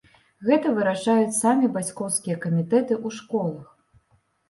Гэта вырашаюць самі бацькоўскія камітэты ў школах.